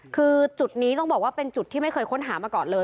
คือจุดนี้ต้องบอกว่าเป็นจุดที่ไม่เคยค้นหามาก่อนเลย